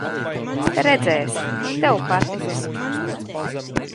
Redzēsi, tev patiks.